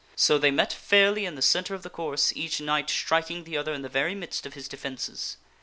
So they met fairly in the centre of the course, each knight striking the other in the very midst of his defences.